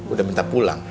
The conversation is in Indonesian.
udah minta pulang